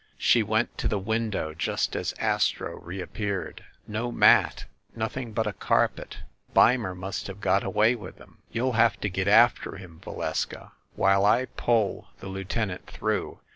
She went to the win dow just as Astro reappeared. "No mat, nothing but a carpet. Beimer must have got away with them. You'll have to get after him, Va leska, while I pull the lieutenant through.